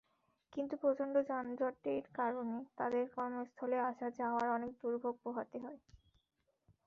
কিন্তু প্রচণ্ড যানজটের কারণে তাঁদের কর্মস্থলে আসা-যাওয়ায় অনেক দুর্ভোগ পোহাতে হয়।